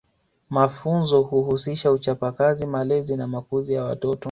Mafunzo huhusisha uchapa Kazi malezi na makuzi ya watoto